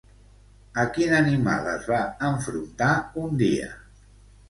A quin animal es va enfrontar un dia?